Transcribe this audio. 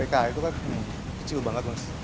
itu kan kecil banget mas